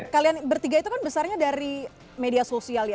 kalian bertiga itu kan besarnya dari media sosial ya